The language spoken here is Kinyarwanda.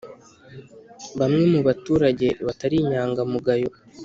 Bamwe mu baturage batari inyangamugayo